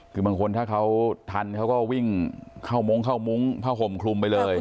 คือบางคนถ้าเขาทันเขาก็วิ่งเข้ามงเข้ามุ้งผ้าห่มคลุมไปเลย